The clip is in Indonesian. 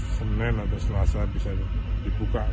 senin atau selasa bisa dibuka